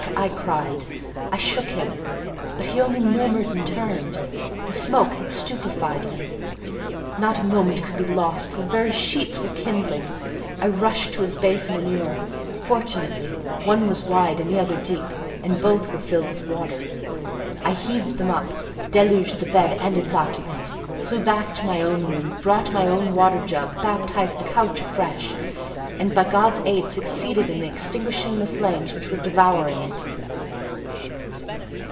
I cried. I shook him, but he only murmured and turned: the smoke had stupefied him. Not a moment could be lost: the very sheets were kindling, I rushed to his basin and ewer; fortunately, one was wide and the other deep, and both were filled with water. I heaved them up, deluged the bed and its occupant, flew back to my own room, brought my own water jug, baptized the couch afresh, and, by God's aid, succeeded in extinguishing the flames which were devouring it.